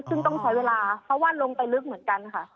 ซึ่งต้องใช้เวลาเพราะว่าลงไปลึกเหมือนกันค่ะ